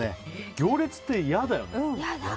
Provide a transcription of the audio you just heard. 行列って嫌だよね。